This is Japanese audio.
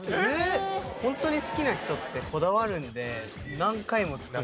ホントに好きな人ってこだわるので何回も作る。